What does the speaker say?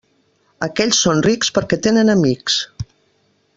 Aquells són rics, perquè tenen amics.